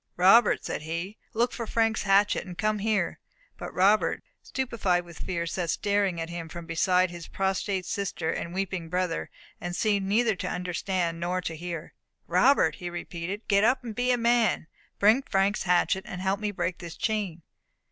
"Robert," said he, "look for Frank's hatchet, and come here." But Robert, stupefied with fear, sat staring at him from beside his prostrate sister and weeping brother, and seemed neither to understand nor to hear. "Robert," he repeated, "get up, and be a man. Bring Frank's hatchet, and help me break this chain."